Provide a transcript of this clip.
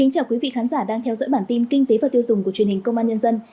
chào mừng quý vị đến với bản tin kinh tế và tiêu dùng của truyền hình công an nhân dân